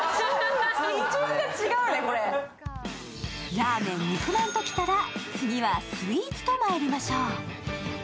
ラーメン、肉まんときたら、次はスイーツとまいりましょう。